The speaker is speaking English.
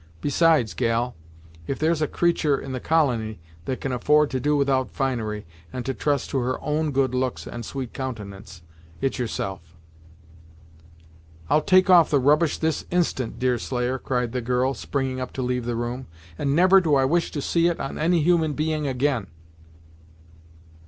Besides, gal, if there's a creatur' in the colony that can afford to do without finery, and to trust to her own good looks and sweet countenance, it's yourself." "I'll take off the rubbish this instant, Deerslayer," cried the girl, springing up to leave the room, "and never do I wish to see it on any human being, again."